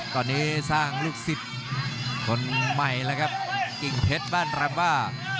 ตอนนี้สร้างลูกศิษย์คนใหม่แล้วครับกิ่งเพชรบ้านรามว่า